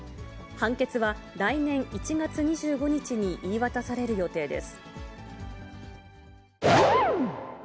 判決は来年１月２５日に言い渡される予定です。